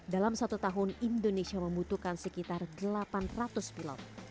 dalam satu tahun indonesia membutuhkan sekitar delapan ratus pilot